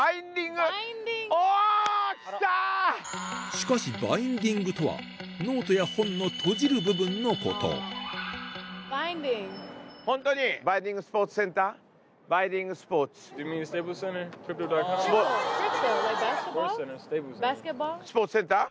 しかし「Ｂｉｎｄｉｎｇ」とはノートや本の閉じる部分のことスポーツセンター？